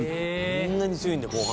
そんなに強いんだ、後半。